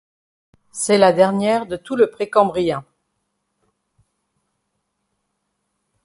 C'est la dernière de tout le Précambrien.